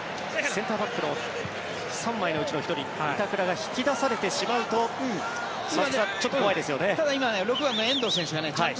センターバックの３枚のうちの１人板倉が引き出されてしまうと松木さん